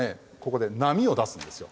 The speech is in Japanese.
ここで波を出すんですよ。